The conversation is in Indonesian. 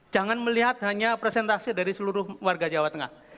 jangan melihat hanya presentase dari seluruh warga jawa tengah